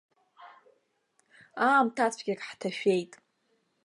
Аамҭацәгьак ҳҭашәеит!